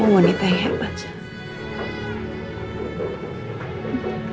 oh ada apa apa